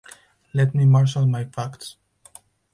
Let me marshal my facts.